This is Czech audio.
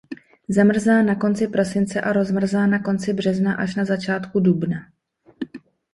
Zamrzá na konci prosince a rozmrzá na konci března až na začátku dubna.